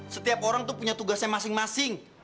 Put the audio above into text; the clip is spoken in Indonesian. setiap orang itu punya tugasnya masing masing